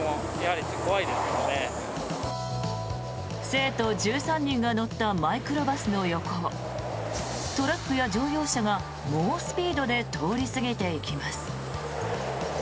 生徒１３人が乗ったマイクロバスの横をトラックや乗用車が猛スピードで通り過ぎていきます。